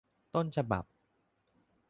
ต้นฉบับ